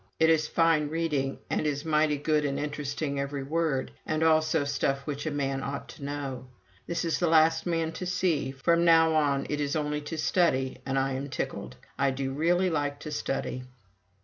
It is fine reading, and is mighty good and interesting every word, and also stuff which a man ought to know. This is the last man to see. From now on, it is only to study, and I am tickled. I do really like to study."